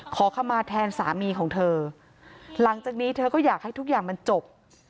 ขอเข้ามาแทนสามีของเธอหลังจากนี้เธอก็อยากให้ทุกอย่างมันจบ